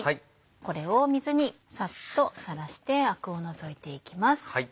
これを水にさっとさらしてアクを除いていきます。